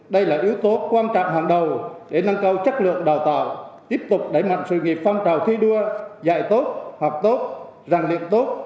đây là yếu tố quan trọng hàng đầu để nâng cao chất lượng đào tạo tiếp tục đẩy mạnh sự nghiệp phong trào thi đua dạy tốt học tốt ràng luyện tốt